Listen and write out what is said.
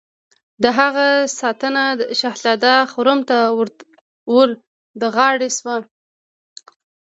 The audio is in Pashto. د هغه ساتنه شهزاده خرم ته ور تر غاړه شوه.